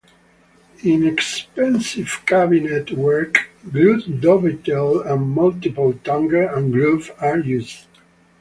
In expensive cabinet work, glued dovetail and multiple tongue and groove are used.